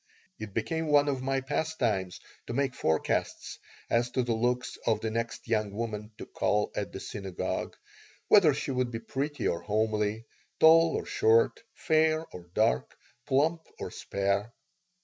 It became one of my pastimes to make forecasts as to the looks of the next young woman to call at the synagogue, whether she would be pretty or homely, tall or short, fair or dark, plump or spare.